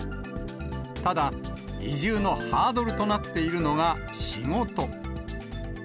ただ、移住のハードルとなっているのが仕事。